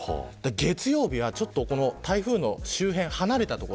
月曜日は台風の周辺、離れた所